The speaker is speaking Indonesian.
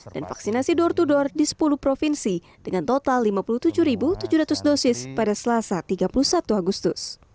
dan vaksinasi door to door di sepuluh provinsi dengan total lima puluh tujuh tujuh ratus dosis pada selasa tiga puluh satu agustus